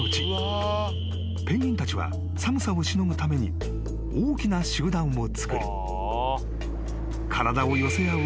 ［ペンギンたちは寒さをしのぐために大きな集団をつくる］